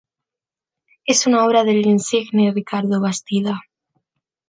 Es una obra del insigne Ricardo Bastida.